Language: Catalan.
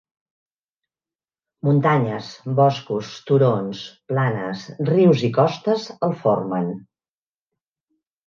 Muntanyes, boscos, turons, planes, rius i costes el formen